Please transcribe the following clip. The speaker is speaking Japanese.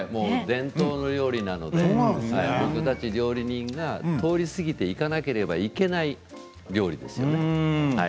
伝統のお料理なので料理人が通り過ぎていかなければいけない料理ですよね。